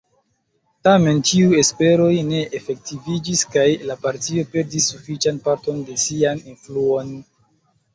Tamen tiuj esperoj ne efektiviĝis kaj la partio perdis sufiĉan parton de sian influon.